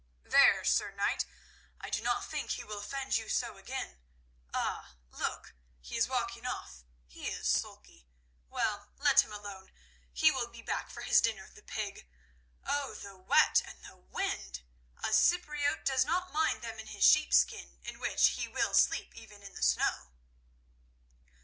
"There, Sir Knight, I do not think he will offend you so again. Ah! look. He is walking off—he is sulky. Well, let him alone; he will be back for his dinner, the pig! Oh, the wet and the wind! A Cypriote does not mind them in his sheepskins, in which he will sleep even in the snow."